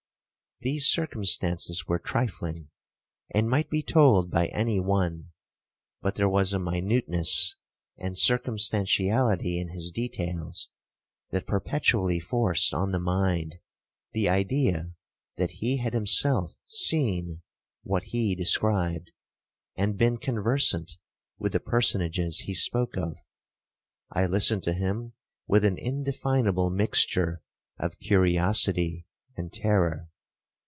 'These circumstances were trifling, and might be told by any one, but there was a minuteness and circumstantiality in his details, that perpetually forced on the mind the idea that he had himself seen what he described, and been conversant with the personages he spoke of. I listened to him with an indefinable mixture of curiosity and terror.